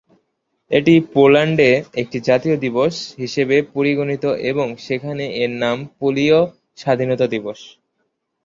এটি পোল্যান্ডে একটি জাতীয় দিবস হিসেবে পরিগণিত এবং সেখানে এর নাম পোলীয় স্বাধীনতা দিবস।